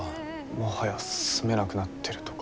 もはや住めなくなってるとか。